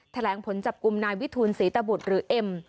แถลงผลจับกลุ่มนายวิทูลศรีตบุตรหรือเอ็ม